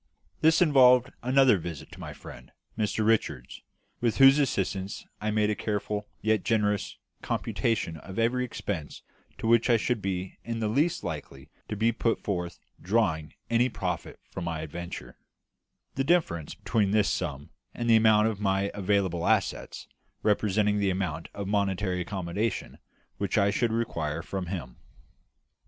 This involved another visit to my friend, Mr Richards, with whose assistance I made a careful yet generous computation of every expense to which I should be in the least likely to be put before drawing any profit from my adventure; the difference between this sum and the amount of my available assets representing the amount of monetary accommodation which I should require from him.